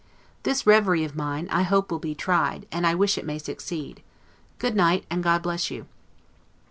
This reverie of mine, I hope will be tried, and I wish it may succeed. Good night, and God bless you!